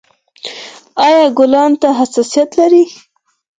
ایا ګلانو ته حساسیت لرئ؟